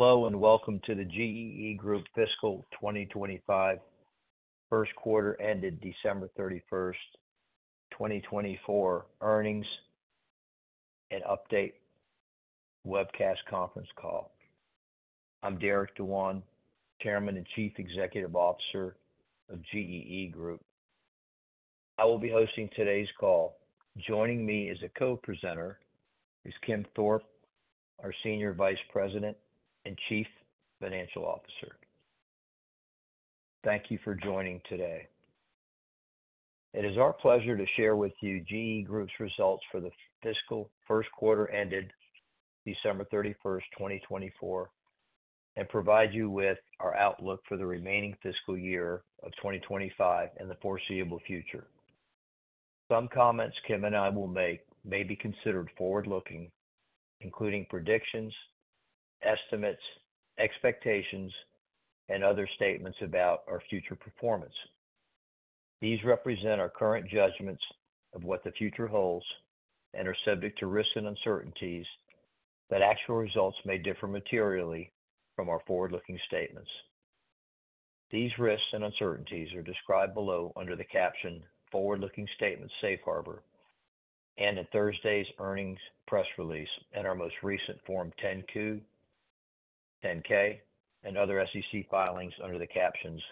Hello and welcome to the GEE Group Fiscal 2025 first quarter ended December 31st, 2024, earnings and update webcast conference call. I'm Derek Dewan, Chairman and Chief Executive Officer of GEE Group. I will be hosting today's call. Joining me as a co-presenter is Kim Thorpe, our Senior Vice President and Chief Financial Officer. Thank you for joining today. It is our pleasure to share with you GEE Group's results for the fiscal first quarter ended December 31st, 2024, and provide you with our outlook for the remaining fiscal year of 2025 and the foreseeable future. Some comments Kim and I will make may be considered forward-looking, including predictions, estimates, expectations, and other statements about our future performance. These represent our current judgments of what the future holds and are subject to risks and uncertainties that actual results may differ materially from our forward-looking statements. These risks and uncertainties are described below under the caption "Forward-Looking Statements Safe Harbor" and in Thursday's earnings press release and our most recent Form 10-Q, 10-K, and other SEC filings under the captions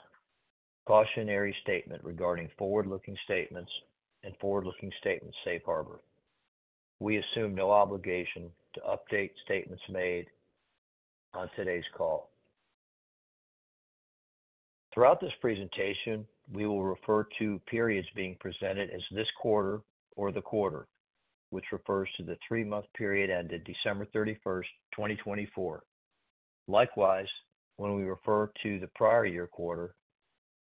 "Cautionary Statement Regarding Forward-Looking Statements" and "Forward-Looking Statements Safe Harbor." We assume no obligation to update statements made on today's call. Throughout this presentation, we will refer to periods being presented as this quarter or the quarter, which refers to the three-month period ended December 31st, 2024. Likewise, when we refer to the prior year quarter,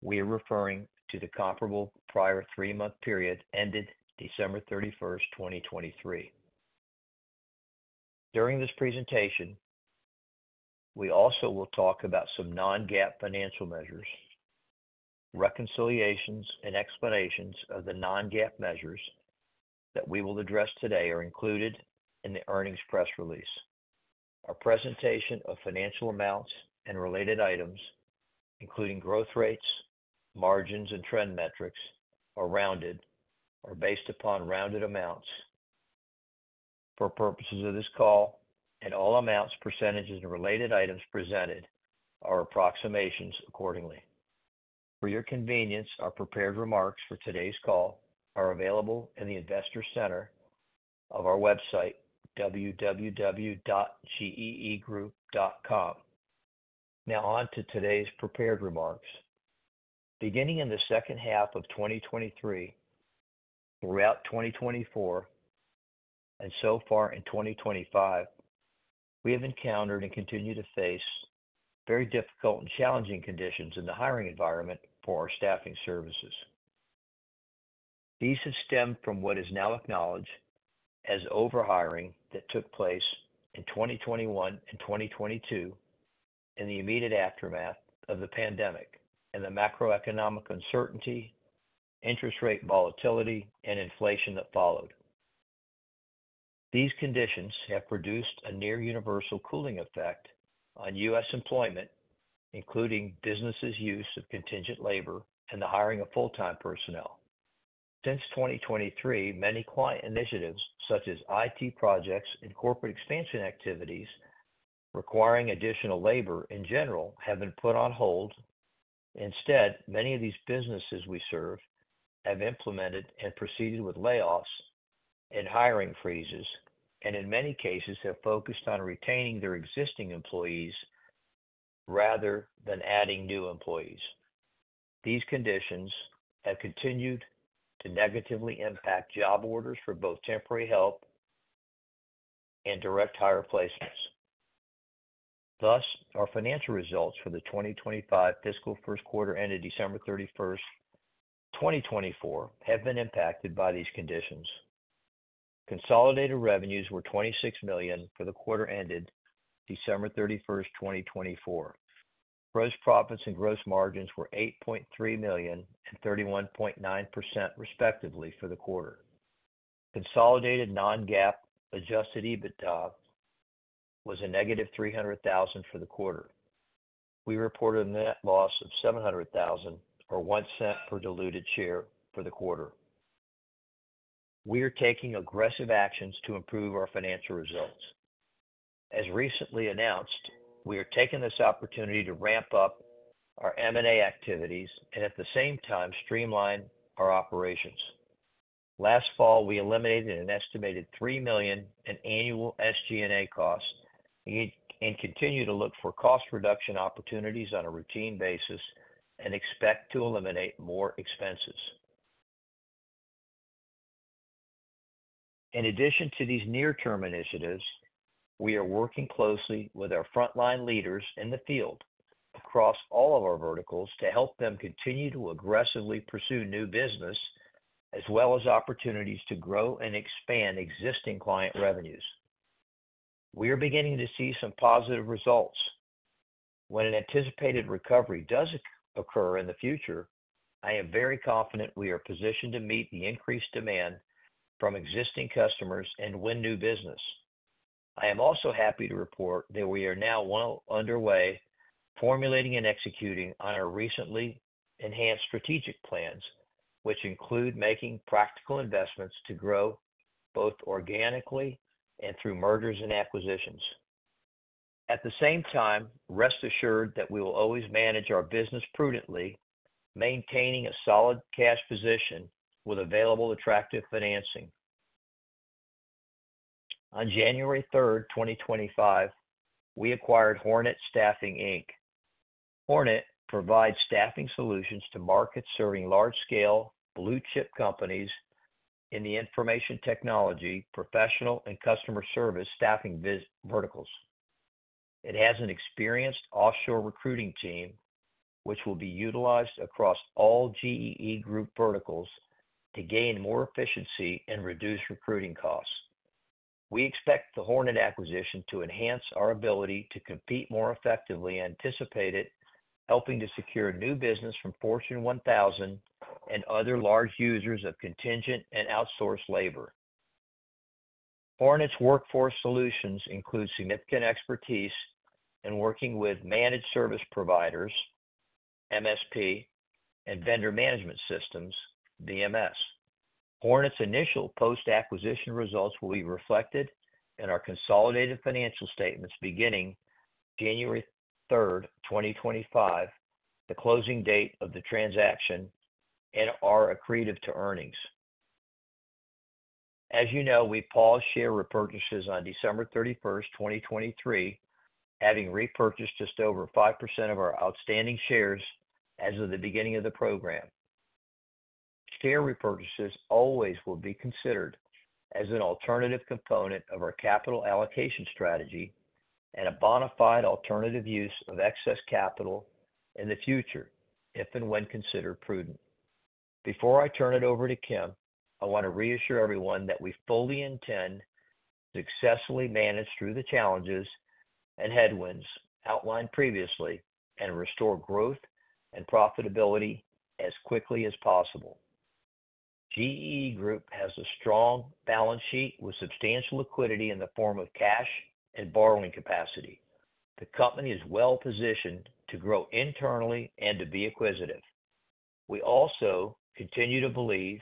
we are referring to the comparable prior three-month period ended December 31st, 2023. During this presentation, we also will talk about some non-GAAP financial measures. Reconciliations and explanations of the non-GAAP measures that we will address today are included in the earnings press release. Our presentation of financial amounts and related items, including growth rates, margins, and trend metrics, are rounded or based upon rounded amounts for purposes of this call, and all amounts, percentages, and related items presented are approximations accordingly. For your convenience, our prepared remarks for today's call are available in the Investor Center of our website, www.geegroup.com. Now on to today's prepared remarks. Beginning in the second half of 2023, throughout 2024, and so far in 2025, we have encountered and continue to face very difficult and challenging conditions in the hiring environment for our staffing services. These have stemmed from what is now acknowledged as overhiring that took place in 2021 and 2022 in the immediate aftermath of the pandemic and the macroeconomic uncertainty, interest rate volatility, and inflation that followed. These conditions have produced a near-universal cooling effect on U.S. employment, including businesses' use of contingent labor and the hiring of full-time personnel. Since 2023, many client initiatives, such as IT projects and corporate expansion activities requiring additional labor in general, have been put on hold. Instead, many of these businesses we serve have implemented and proceeded with layoffs and hiring freezes, and in many cases, have focused on retaining their existing employees rather than adding new employees. These conditions have continued to negatively impact job orders for both temporary help and direct hire placements. Thus, our financial results for the 2025 fiscal first quarter ended December 31st, 2024, have been impacted by these conditions. Consolidated revenues were $26 million for the quarter ended December 31st, 2024. Gross profits and gross margins were $8.3 million and 31.9% respectively for the quarter. Consolidated non-GAAP adjusted EBITDA was a $-300,000 for the quarter. We reported a net loss of $700,000 or one cent per diluted share for the quarter. We are taking aggressive actions to improve our financial results. As recently announced, we are taking this opportunity to ramp up our M&A activities and at the same time streamline our operations. Last fall, we eliminated an estimated $3 million in annual SG&A costs and continue to look for cost reduction opportunities on a routine basis and expect to eliminate more expenses. In addition to these near-term initiatives, we are working closely with our frontline leaders in the field across all of our verticals to help them continue to aggressively pursue new business as well as opportunities to grow and expand existing client revenues. We are beginning to see some positive results. When an anticipated recovery does occur in the future, I am very confident we are positioned to meet the increased demand from existing customers and win new business. I am also happy to report that we are now well underway formulating and executing on our recently enhanced strategic plans, which include making practical investments to grow both organically and through mergers and acquisitions. At the same time, rest assured that we will always manage our business prudently, maintaining a solid cash position with available attractive financing. On January 3, 2025, we acquired Hornet Staffing. Hornet provides staffing solutions to market-serving large-scale blue-chip companies in the information technology, professional, and customer service staffing verticals. It has an experienced offshore recruiting team, which will be utilized across all GEE Group verticals to gain more efficiency and reduce recruiting costs. We expect the Hornet acquisition to enhance our ability to compete more effectively anticipated, helping to secure new business from Fortune 1000 and other large users of contingent and outsourced labor. Hornet's workforce solutions include significant expertise in working with managed service providers, MSP, and vendor management systems, VMS. Hornet's initial post-acquisition results will be reflected in our consolidated financial statements beginning January 3rd, 2025, the closing date of the transaction, and are accretive to earnings. As you know, we paused share repurchases on December 31st, 2023, having repurchased just over 5% of our outstanding shares as of the beginning of the program. Share repurchases always will be considered as an alternative component of our capital allocation strategy and a bona fide alternative use of excess capital in the future if and when considered prudent. Before I turn it over to Kim, I want to reassure everyone that we fully intend to successfully manage through the challenges and headwinds outlined previously and restore growth and profitability as quickly as possible. GEE Group has a strong balance sheet with substantial liquidity in the form of cash and borrowing capacity. The company is well positioned to grow internally and to be acquisitive. We also continue to believe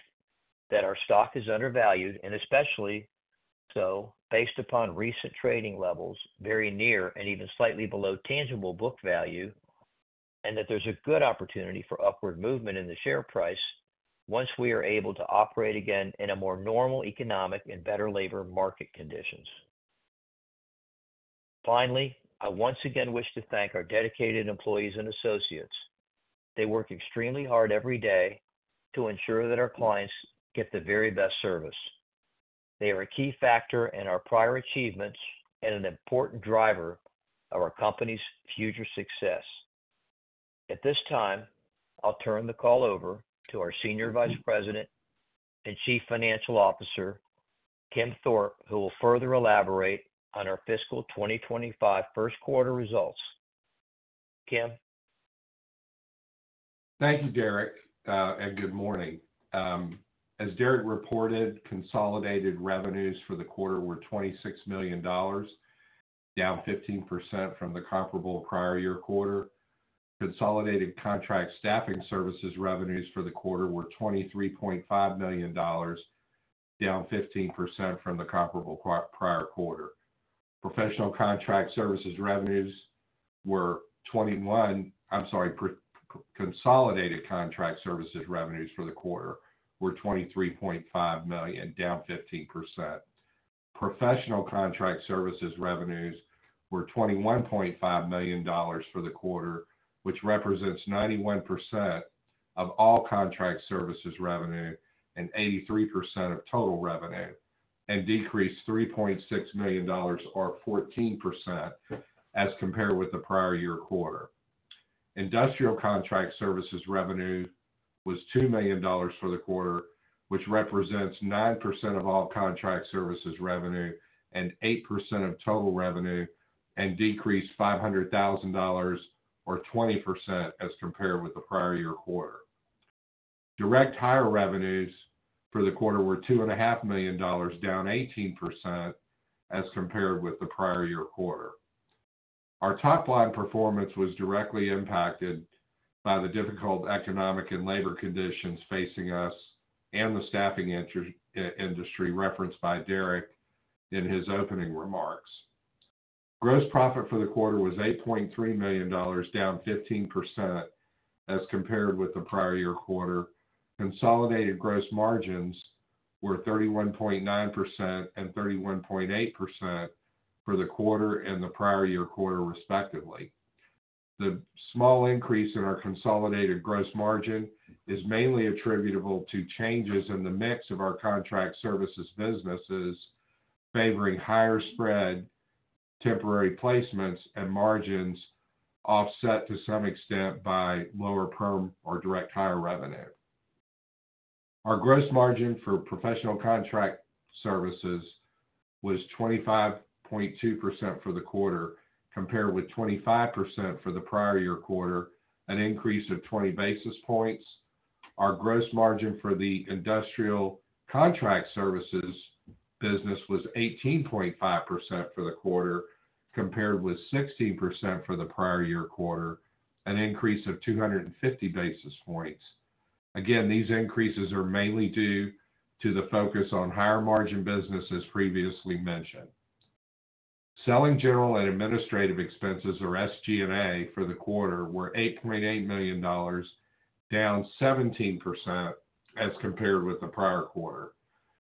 that our stock is undervalued, and especially so based upon recent trading levels very near and even slightly below tangible book value, and that there's a good opportunity for upward movement in the share price once we are able to operate again in a more normal economic and better labor market conditions. Finally, I once again wish to thank our dedicated employees and associates. They work extremely hard every day to ensure that our clients get the very best service. They are a key factor in our prior achievements and an important driver of our company's future success. At this time, I'll turn the call over to our Senior Vice President and Chief Financial Officer, Kim Thorpe, who will further elaborate on our fiscal 2025 first quarter results. Kim. Thank you, Derek, and good morning. As Derek reported, consolidated revenues for the quarter were $26 million, down 15% from the comparable prior year quarter. Consolidated contract staffing services revenues for the quarter were $23.5 million, down 15% from the comparable prior quarter. Professional Contract Services revenues were $21. I'm sorry, consolidated contract services revenues for the quarter were $23.5 million, down 15%. Professional Contract Services revenues were $21.5 million for the quarter, which represents 91% of all contract services revenue and 83% of total revenue, and decreased $3.6 million, or 14%, as compared with the prior year quarter. Industrial Contract Services revenue was $2 million for the quarter, which represents 9% of all contract services revenue and 8% of total revenue, and decreased $500,000, or 20%, as compared with the prior year quarter. Direct hire revenues for the quarter were $2.5 million, down 18%, as compared with the prior year quarter. Our top-line performance was directly impacted by the difficult economic and labor conditions facing us and the staffing industry referenced by Derek in his opening remarks. Gross profit for the quarter was $8.3 million, down 15%, as compared with the prior year quarter. Consolidated gross margins were 31.9% and 31.8% for the quarter and the prior year quarter, respectively. The small increase in our consolidated gross margin is mainly attributable to changes in the mix of our contract services businesses favoring higher spread temporary placements and margins offset to some extent by lower perm or direct hire revenue. Our gross margin for professional contract services was 25.2% for the quarter, compared with 25% for the prior year quarter, an increase of 20 basis points. Our gross margin for the Industrial Contract Services business was 18.5% for the quarter, compared with 16% for the prior year quarter, an increase of 250 basis points. Again, these increases are mainly due to the focus on higher margin business, as previously mentioned. Selling, general and administrative expenses, or SG&A, for the quarter were $8.8 million, down 17%, as compared with the prior quarter.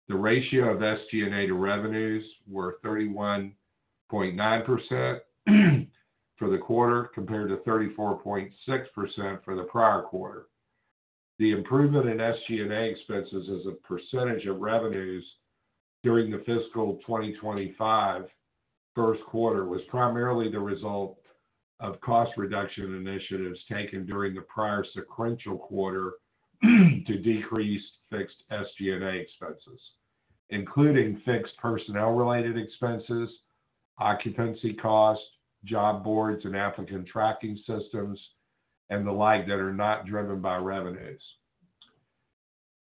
The ratio of SG&A to revenues was 31.9% for the quarter, compared to 34.6% for the prior quarter. The improvement in SG&A expenses as a percentage of revenues during the fiscal 2025 first quarter was primarily the result of cost reduction initiatives taken during the prior sequential quarter to decrease fixed SG&A expenses, including fixed personnel-related expenses, occupancy costs, job boards and applicant tracking systems, and the like that are not driven by revenues.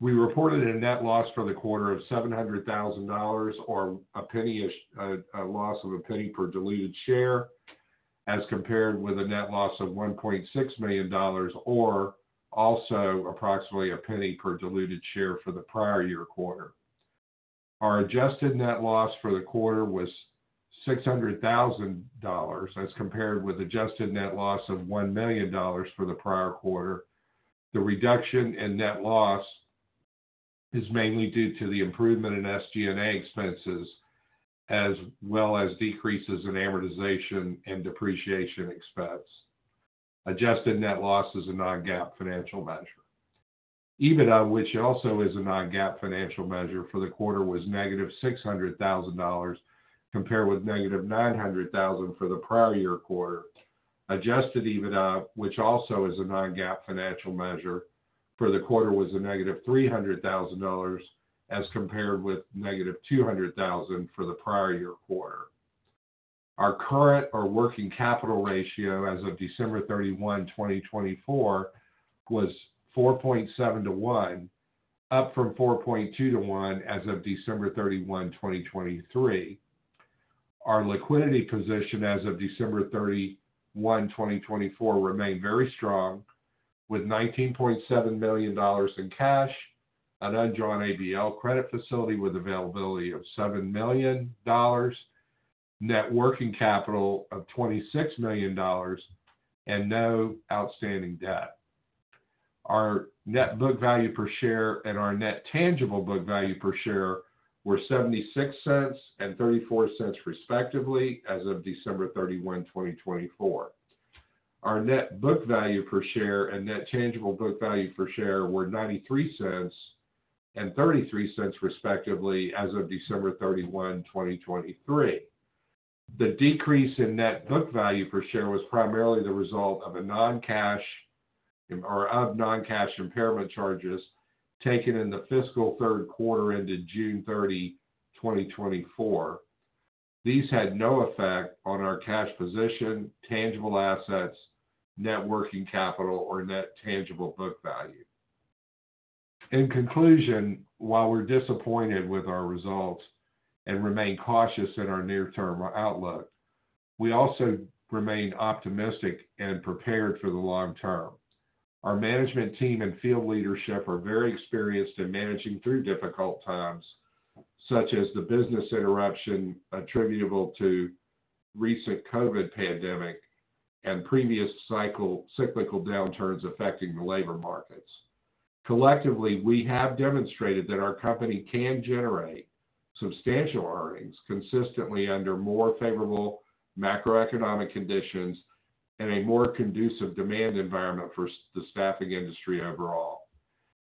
We reported a net loss for the quarter of $700,000, or a loss of a penny per diluted share, as compared with a net loss of $1.6 million, or also approximately a penny per diluted share for the prior year quarter. Our adjusted net loss for the quarter was $600,000, as compared with adjusted net loss of $1 million for the prior quarter. The reduction in net loss is mainly due to the improvement in SG&A expenses, as well as decreases in amortization and depreciation expense. Adjusted net loss is a non-GAAP financial measure. EBITDA, which also is a non-GAAP financial measure for the quarter, was $-600,000, compared with $-900,000 for the prior year quarter. Adjusted EBITDA, which also is a non-GAAP financial measure for the quarter, was a $-300,000, as compared with $-200,000 for the prior year quarter. Our current or working capital ratio as of December 31, 2024, was 4.7 to 1, up from 4.2 to 1 as of December 31, 2023. Our liquidity position as of December 31, 2024, remained very strong with $19.7 million in cash, an undrawn ABL credit facility with availability of $7 million, net working capital of $26 million, and no outstanding debt. Our net book value per share and our net tangible book value per share were $0.76 and $0.34, respectively, as of December 31, 2024. Our net book value per share and net tangible book value per share were $0.93 and $0.33, respectively, as of December 31, 2023. The decrease in net book value per share was primarily the result of non-cash impairment charges taken in the fiscal third quarter ended June 30, 2024. These had no effect on our cash position, tangible assets, net working capital, or net tangible book value. In conclusion, while we're disappointed with our results and remain cautious in our near-term outlook, we also remain optimistic and prepared for the long term. Our management team and field leadership are very experienced in managing through difficult times, such as the business interruption attributable to the recent COVID pandemic and previous cyclical downturns affecting the labor markets. Collectively, we have demonstrated that our company can generate substantial earnings consistently under more favorable macroeconomic conditions and a more conducive demand environment for the staffing industry overall.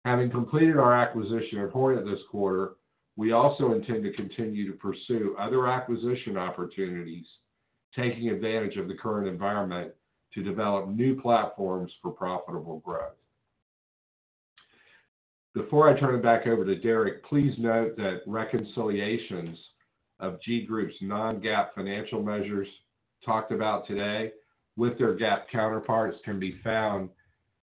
Having completed our acquisition at Hornet Staffing this quarter, we also intend to continue to pursue other acquisition opportunities, taking advantage of the current environment to develop new platforms for profitable growth. Before I turn it back over to Derek, please note that reconciliations of GEE Group's non-GAAP financial measures talked about today with their GAAP counterparts can be found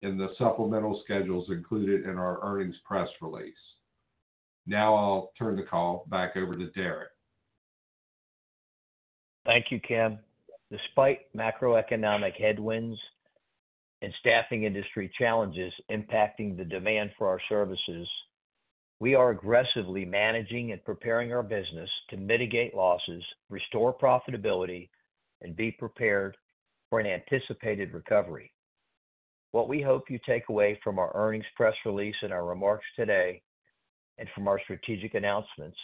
in the supplemental schedules included in our earnings press release. Now I'll turn the call back over to Derek. Thank you, Kim. Despite macroeconomic headwinds and staffing industry challenges impacting the demand for our services, we are aggressively managing and preparing our business to mitigate losses, restore profitability, and be prepared for an anticipated recovery. What we hope you take away from our earnings press release and our remarks today and from our strategic announcements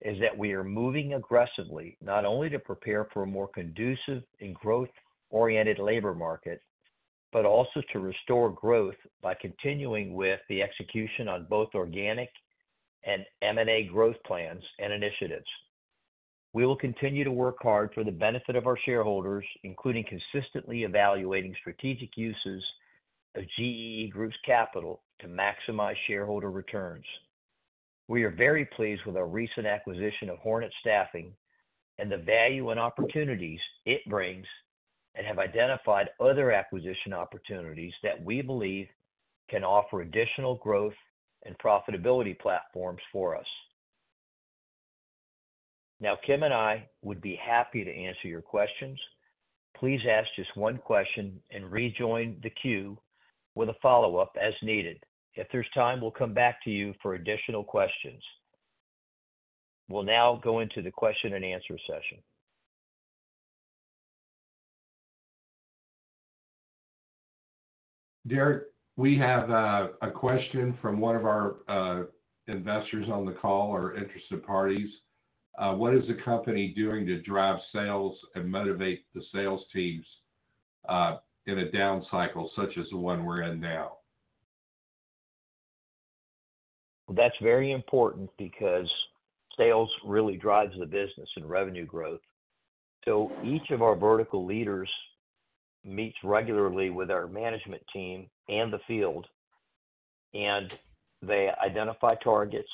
is that we are moving aggressively not only to prepare for a more conducive and growth-oriented labor market, but also to restore growth by continuing with the execution on both organic and M&A growth plans and initiatives. We will continue to work hard for the benefit of our shareholders, including consistently evaluating strategic uses of GEE Group's capital to maximize shareholder returns. We are very pleased with our recent acquisition of Hornet Staffing and the value and opportunities it brings and have identified other acquisition opportunities that we believe can offer additional growth and profitability platforms for us. Now, Kim and I would be happy to answer your questions. Please ask just one question and rejoin the queue with a follow-up as needed. If there's time, we'll come back to you for additional questions. We'll now go into the question and answer session. Derek, we have a question from one of our investors on the call or interested parties. What is the company doing to drive sales and motivate the sales teams in a down cycle such as the one we're in now? That's very important because sales really drives the business and revenue growth. Each of our vertical leaders meets regularly with our management team and the field, and they identify targets.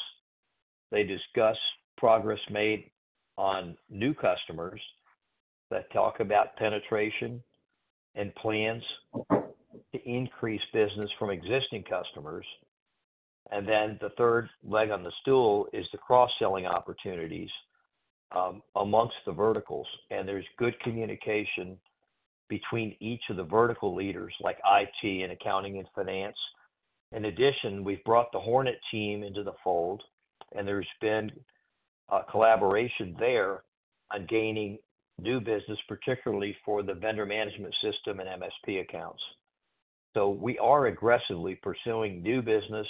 They discuss progress made on new customers, talk about penetration and plans to increase business from existing customers. The third leg on the stool is the cross-selling opportunities amongst the verticals, and there's good communication between each of the vertical leaders like IT and accounting and finance. In addition, we've brought the Hornet team into the fold, and there's been collaboration there on gaining new business, particularly for the vendor management system and MSP accounts. We are aggressively pursuing new business,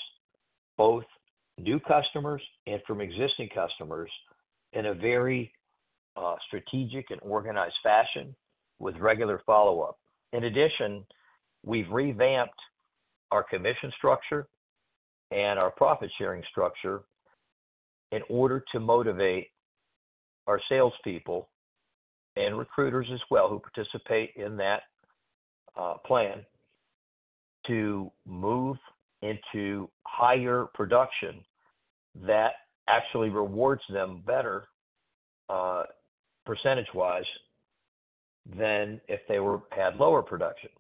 both new customers and from existing customers, in a very strategic and organized fashion with regular follow-up. In addition, we've revamped our commission structure and our profit-sharing structure in order to motivate our salespeople and recruiters as well, who participate in that plan, to move into higher production that actually rewards them better percentage-wise than if they had lower production.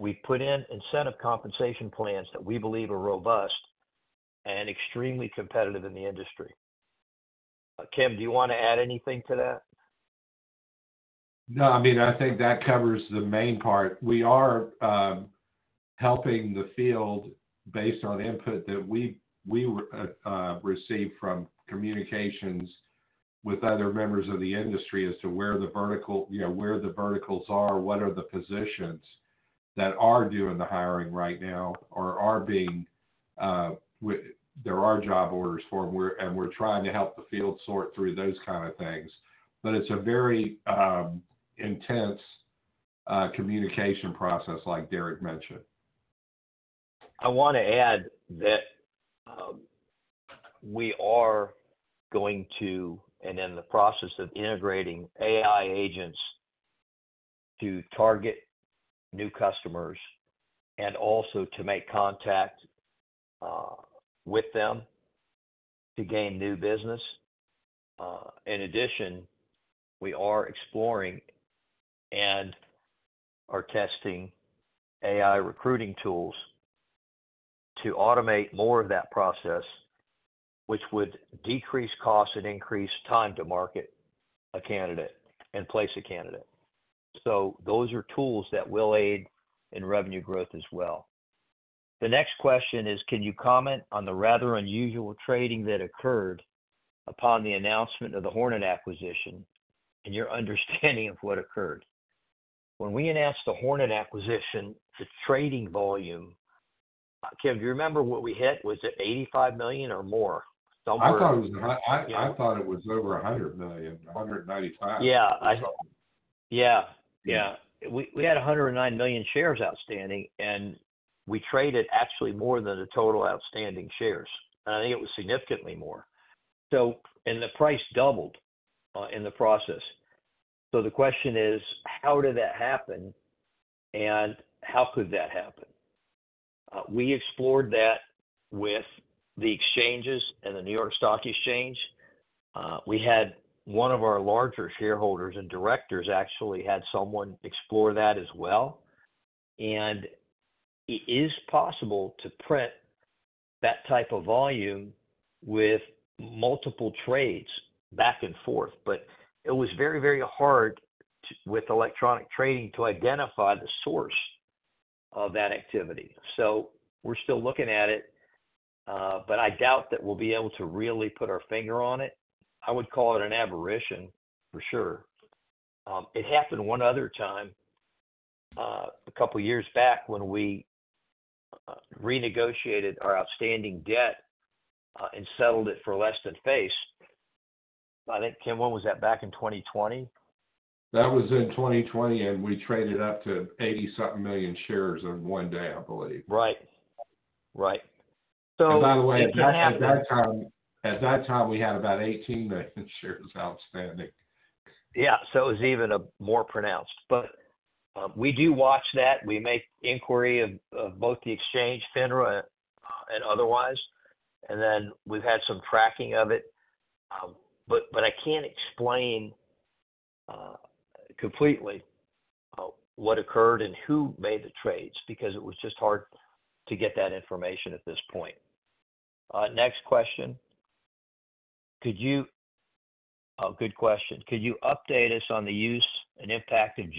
We've put in incentive compensation plans that we believe are robust and extremely competitive in the industry. Kim, do you want to add anything to that? No, I mean, I think that covers the main part. We are helping the field based on input that we received from communications with other members of the industry as to where the verticals are, what are the positions that are doing the hiring right now, or are being there are job orders for them, and we're trying to help the field sort through those kinds of things. It is a very intense communication process, like Derek mentioned. I want to add that we are going to, and in the process of integrating AI agents to target new customers and also to make contact with them to gain new business. In addition, we are exploring and are testing AI recruiting tools to automate more of that process, which would decrease costs and increase time to market a candidate and place a candidate. Those are tools that will aid in revenue growth as well. The next question is, can you comment on the rather unusual trading that occurred upon the announcement of the Hornet acquisition and your understanding of what occurred? When we announced the Hornet acquisition, the trading volume, Kim, do you remember what we hit? Was it $85 million or more? I thought it was over $100 million, $195 million. Yeah. Yeah. Yeah. We had $109 million shares outstanding, and we traded actually more than the total outstanding shares. I think it was significantly more. The price doubled in the process. The question is, how did that happen and how could that happen? We explored that with the exchanges and the New York Stock Exchange. We had one of our larger shareholders and directors actually had someone explore that as well. It is possible to print that type of volume with multiple trades back and forth, but it was very, very hard with electronic trading to identify the source of that activity. We are still looking at it, but I doubt that we will be able to really put our finger on it. I would call it an aberration for sure. It happened one other time a couple of years back when we renegotiated our outstanding debt and settled it for less than face. I think, Kim, when was that? Back in 2020? That was in 2020, and we traded up to 80-something million shares in one day, I believe. Right. Right. By the way, at that time, we had about 18 million shares outstanding. Yeah. It was even more pronounced. We do watch that. We make inquiry of both the exchange, FINRA, and otherwise. We have had some tracking of it. I can't explain completely what occurred and who made the trades because it is just hard to get that information at this point. Next question. Good question. Could you update us on the use and impact of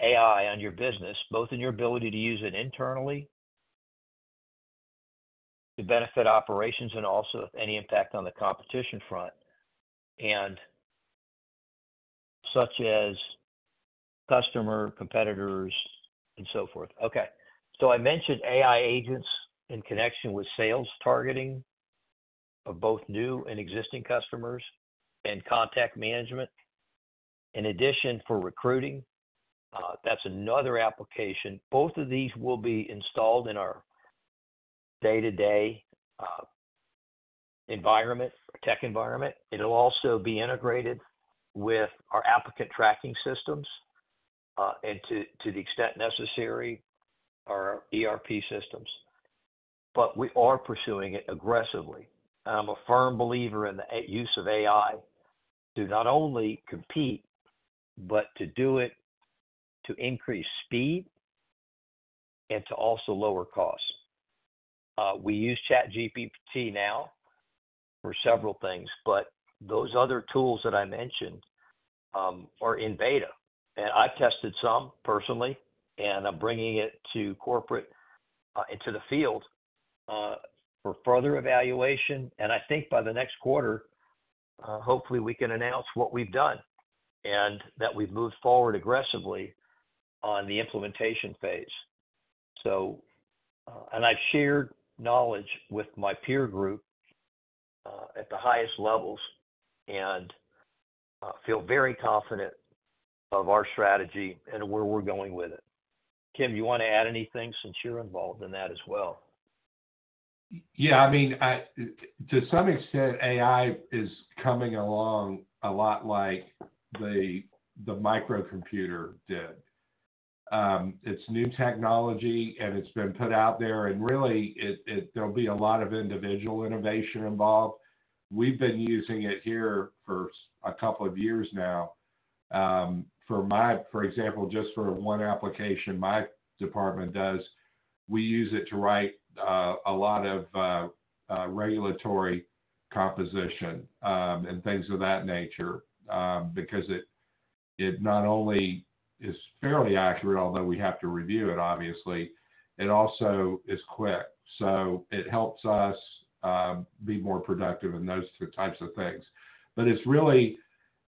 generative AI on your business, both in your ability to use it internally to benefit operations and also any impact on the competition front, such as customer, competitors, and so forth? Okay. I mentioned AI agents in connection with sales targeting of both new and existing customers and contact management. In addition, for recruiting, that is another application. Both of these will be installed in our day-to-day environment, tech environment. It'll also be integrated with our applicant tracking systems and, to the extent necessary, our ERP systems. We are pursuing it aggressively. I'm a firm believer in the use of AI to not only compete, but to do it to increase speed and to also lower costs. We use ChatGPT now for several things, but those other tools that I mentioned are in beta. I have tested some personally, and I'm bringing it to corporate into the field for further evaluation. I think by the next quarter, hopefully, we can announce what we've done and that we've moved forward aggressively on the implementation phase. I have shared knowledge with my peer group at the highest levels and feel very confident of our strategy and where we're going with it. Kim, do you want to add anything since you're involved in that as well? Yeah. I mean, to some extent, AI is coming along a lot like the microcomputer did. It's new technology, and it's been put out there. There'll be a lot of individual innovation involved. We've been using it here for a couple of years now. For example, just for one application my department does, we use it to write a lot of regulatory composition and things of that nature because it not only is fairly accurate, although we have to review it, obviously, it also is quick. It helps us be more productive in those types of things. It's really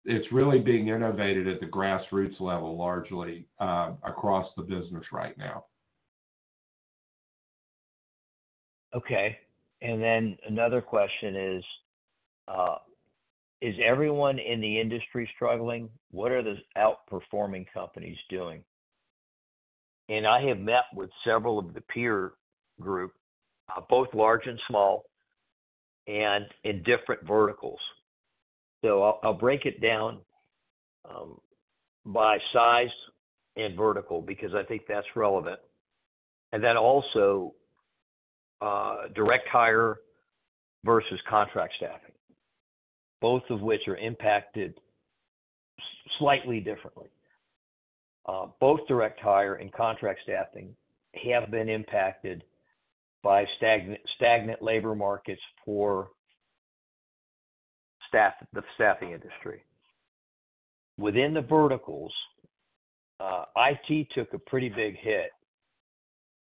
being innovated at the grassroots level largely across the business right now. Okay. Another question is, is everyone in the industry struggling? What are the outperforming companies doing? I have met with several of the peer group, both large and small, and in different verticals. I will break it down by size and vertical because I think that is relevant. Also, direct hire versus contract staffing, both of which are impacted slightly differently. Both direct hire and contract staffing have been impacted by stagnant labor markets for the staffing industry. Within the verticals, IT took a pretty big hit,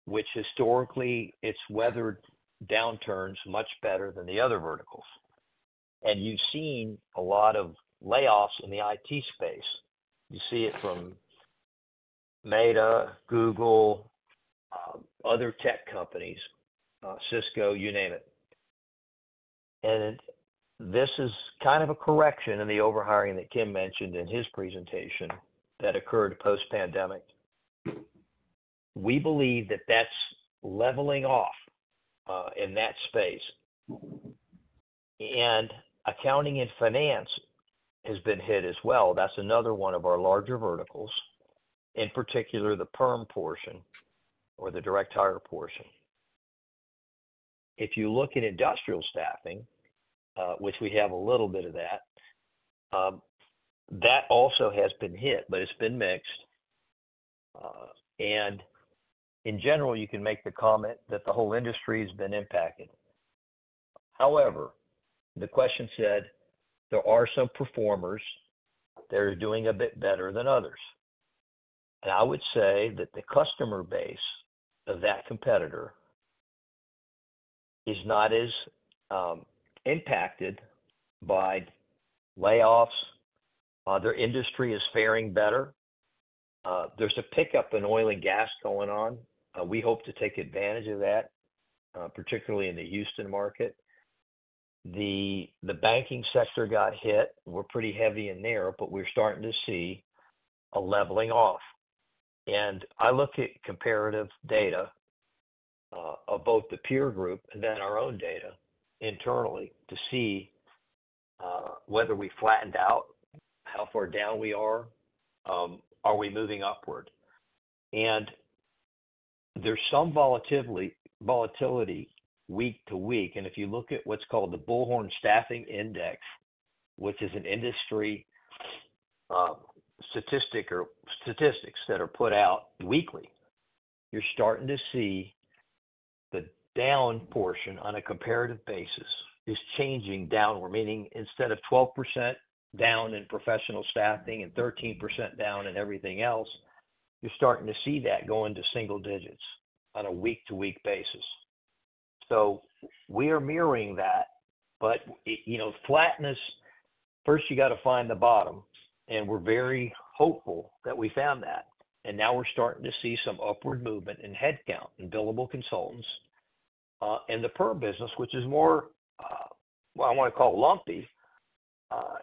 which historically, it has weathered downturns much better than the other verticals. You have seen a lot of layoffs in the IT space. You see it from Meta, Google, other tech companies, Cisco, you name it. This is kind of a correction in the overhiring that Kim mentioned in his presentation that occurred post-pandemic. We believe that that's leveling off in that space. Accounting and finance has been hit as well. That's another one of our larger verticals, in particular, the perm portion or the direct hire portion. If you look at industrial staffing, which we have a little bit of, that also has been hit, but it's been mixed. In general, you can make the comment that the whole industry has been impacted. However, the question said there are some performers that are doing a bit better than others. I would say that the customer base of that competitor is not as impacted by layoffs. The industry is faring better. There's a pickup in oil and gas going on. We hope to take advantage of that, particularly in the Houston market. The banking sector got hit. We're pretty heavy in there, but we're starting to see a leveling off. I look at comparative data of both the peer group and then our own data internally to see whether we flattened out, how far down we are, are we moving upward. There's some volatility week to week. If you look at what's called the Bullhorn Staffing Index, which is an industry statistic that is put out weekly, you're starting to see the down portion on a comparative basis is changing downward. Meaning instead of 12% down in Professional Staffing and 13% down in everything else, you're starting to see that going to single digits on a week-to-week basis. We are mirroring that, but flatness, first you got to find the bottom. We're very hopeful that we found that. Now we're starting to see some upward movement in headcount and billable consultants. The perm business, which is more, I want to call it lumpy,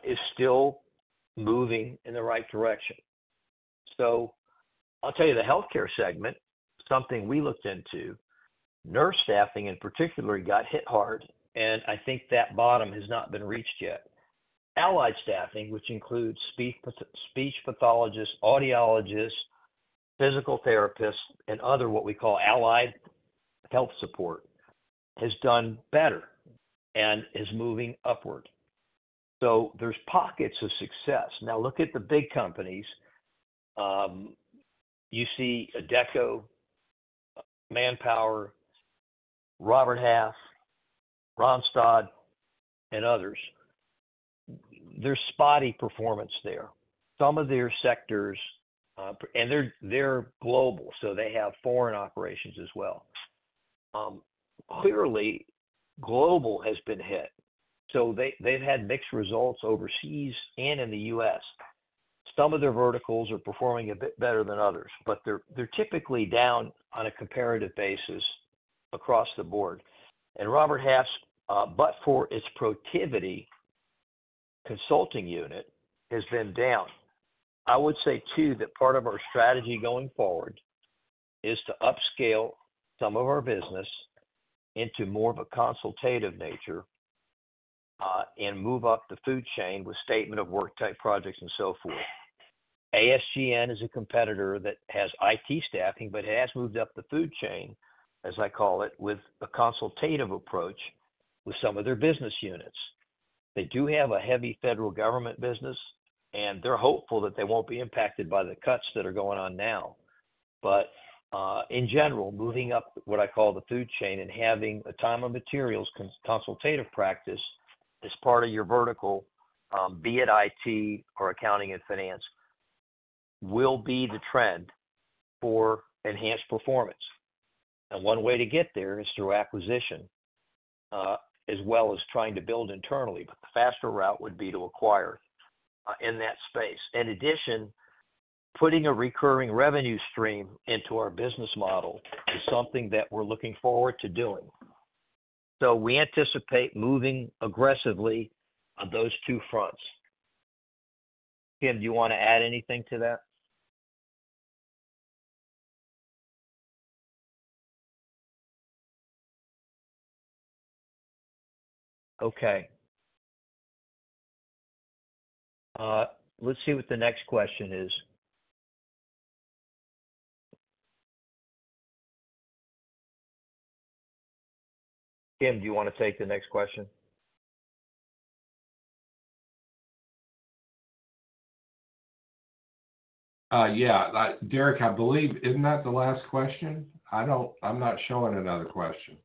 is still moving in the right direction. I'll tell you the healthcare segment, something we looked into, nurse staffing in particular got hit hard, and I think that bottom has not been reached yet. Allied staffing, which includes speech pathologists, audiologists, physical therapists, and other what we call allied health support, has done better and is moving upward. There's pockets of success. Now look at the big companies. You see Adecco, ManpowerGroup, Robert Half, Randstad, and others. There's spotty performance there. Some of their sectors, and they're global, so they have foreign operations as well. Clearly, global has been hit. They've had mixed results overseas and in the U.S. Some of their verticals are performing a bit better than others, but they're typically down on a comparative basis across the board. Robert Half's, but for its Protiviti consulting unit, has been down. I would say too that part of our strategy going forward is to upscale some of our business into more of a consultative nature and move up the food chain with statement of work type projects and so forth. ASGN is a competitor that has IT staffing, but it has moved up the food chain, as I call it, with a consultative approach with some of their business units. They do have a heavy federal government business, and they're hopeful that they won't be impacted by the cuts that are going on now. In general, moving up what I call the food chain and having a time and materials consultative practice as part of your vertical, be it IT or accounting and finance, will be the trend for enhanced performance. One way to get there is through acquisition as well as trying to build internally, but the faster route would be to acquire in that space. In addition, putting a recurring revenue stream into our business model is something that we're looking forward to doing. We anticipate moving aggressively on those two fronts. Kim, do you want to add anything to that? Okay. Let's see what the next question is. Kim, do you want to take the next question? Yeah. Derek, I believe, isn't that the last question? I'm not showing another question.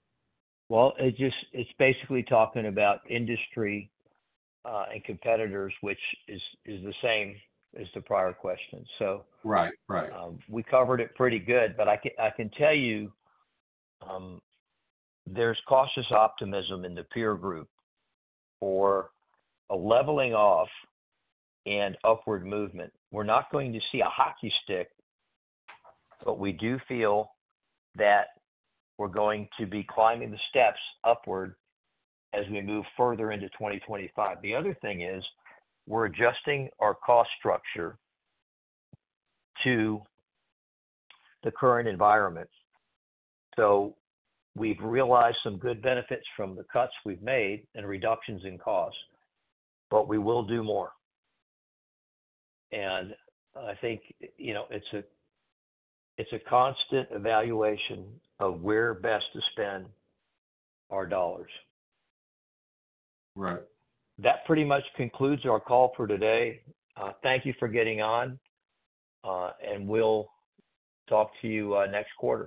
It is basically talking about industry and competitors, which is the same as the prior question. We covered it pretty good, but I can tell you there is cautious optimism in the peer group for a leveling off and upward movement. We are not going to see a hockey stick, but we do feel that we are going to be climbing the steps upward as we move further into 2025. The other thing is we are adjusting our cost structure to the current environment. We have realized some good benefits from the cuts we have made and reductions in costs, but we will do more. I think it is a constant evaluation of where best to spend our dollars. Right. That pretty much concludes our call for today. Thank you for getting on, and we'll talk to you next quarter.